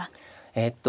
えっと